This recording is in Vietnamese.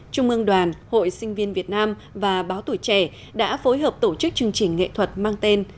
trung ương đoàn hội sinh viên việt nam và báo tuổi trẻ đã phối hợp tổ chức chương trình nghệ thuật mang tên